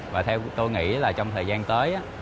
và theo tôi nghĩ trong thời gian tới